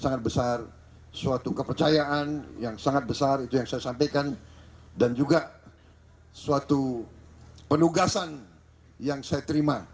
sangat besar suatu kepercayaan yang sangat besar itu yang saya sampaikan dan juga suatu penugasan yang saya terima